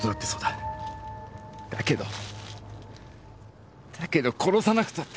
だけどだけど殺さなくたって！